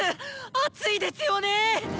アツいですよね！